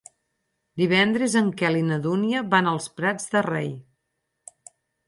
Divendres en Quel i na Dúnia van als Prats de Rei.